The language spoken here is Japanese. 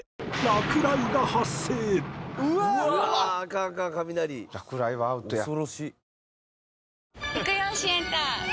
落雷はアウトや。